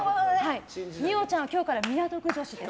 二葉ちゃんは今日から港区女子です。